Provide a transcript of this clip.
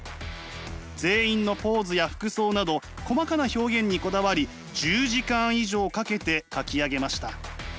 全員のポーズや服装など細かな表現にこだわり１０時間以上かけて描き上げました。